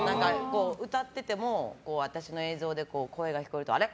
歌ってても私の映像で声が聞こえるとあれ？